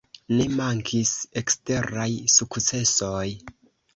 Ne mankis eksteraj sukcesoj.